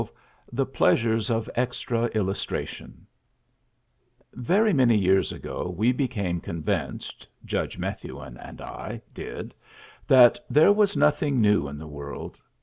XII THE PLEASURES OF EXTRA ILLUSTRATION Very many years ago we became convinced Judge Methuen and I did that there was nothing new in the world.